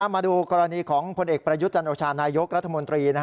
มาดูกรณีของพลเอกประยุทธ์จันโอชานายกรัฐมนตรี